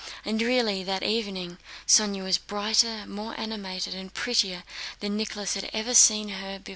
And really, that evening, Sónya was brighter, more animated, and prettier than Nicholas had ever seen her before.